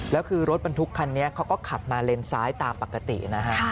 แล้วคือรถบรรทุกคันนี้เขาก็ขับมาเลนซ้ายตามปกตินะฮะ